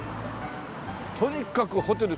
とにかくホテル